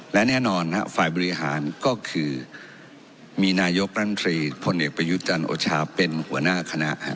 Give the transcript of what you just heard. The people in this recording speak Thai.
และแน่นอนฝ่ายบริหารก็คือมีนายกรัฐมนตรีพลเอกประยุทธ์จันทร์โอชาเป็นหัวหน้าคณะ